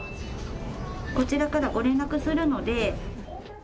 こちらからご連絡するので。